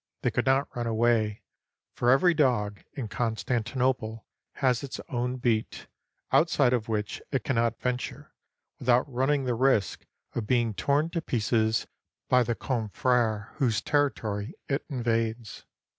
They could not run away, for every dog in Constantinople has its own beat, outside of which it cannot venture without running the risk of being torn to pieces by the confreres 545 TURKEY whose territory it invades.